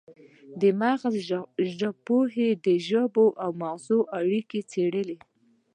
مغزژبپوهنه د ژبې او مغزو اړیکې څیړي